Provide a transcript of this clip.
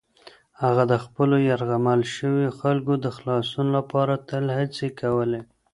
هغه د خپلو یرغمل شویو خلکو د خلاصون لپاره تل هڅې کولې.